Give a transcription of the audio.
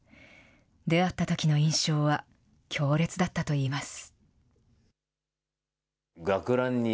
出会ったときの印象は、強烈だったといいます。